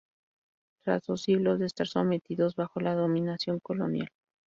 Tras dos siglos de estar sometidos bajo la dominación colonial